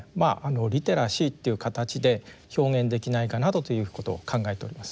リテラシーという形で表現できないかなどということを考えております。